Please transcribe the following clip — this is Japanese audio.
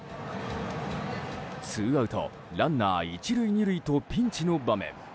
ツーアウトランナー１塁２塁とピンチの場面。